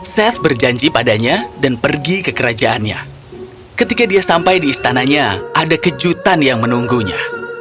seth berjanji padanya dan pergi ke kerajaannya ketika dia sampai di istananya ada kejutan yang menunggunya